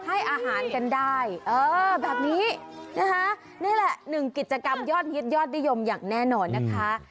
ให้อาหารกันได้เออแบบนี้นะคะนี่แหละหนึ่งกิจกรรมยอดฮิตยอดนิยมอย่างแน่นอนนะคะ